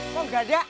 kok gak ada